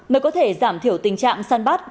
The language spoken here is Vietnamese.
mới có thể giảm thiểu tình trạng săn bắt